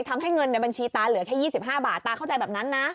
ทำให้เงินในบัญชีตาเหลือแค่๒๕บาทตาเข้าใจแบบนั้นนะ